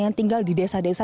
yang tinggal di desa desa